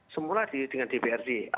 semula dengan dprd